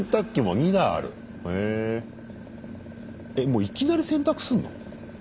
もういきなり洗濯すんの？